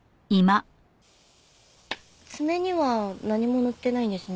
爪には何も塗ってないんですね。